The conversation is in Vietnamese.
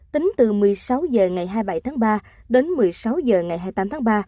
tính từ một mươi sáu h ngày hai mươi bảy tháng ba đến một mươi sáu h ngày hai mươi tám tháng ba